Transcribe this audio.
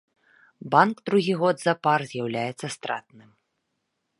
Банк другі год запар з'яўляецца стратным.